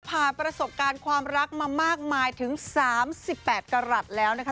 ผ่านประสบการณ์ความรักมามากมายถึง๓๘กรัฐแล้วนะคะ